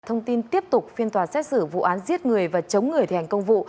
thông tin tiếp tục phiên toàn xét xử vụ án giết người và chống người thể hành công vụ